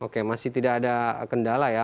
oke masih tidak ada kendala ya